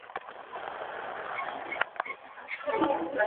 戴德洛斯以南是阿德加蓝草原以北的大草原。